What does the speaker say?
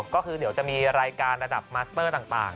ก็คือเดี๋ยวจะมีรายการระดับมัสเตอร์ต่าง